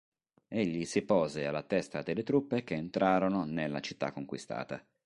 Egli si pose alla testa delle truppe che entrarono nella città conquistata.